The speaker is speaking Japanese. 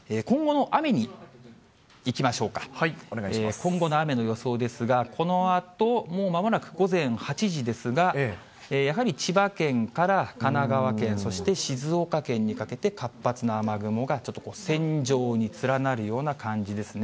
今後の雨の予想ですが、このあと、もうまもなく午前８時ですが、やはり千葉県から神奈川県、そして静岡県にかけて、活発な雨雲が、ちょっと線状に連なるような感じですね。